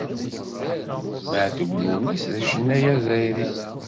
Matoub Lounes d acennay azzayri.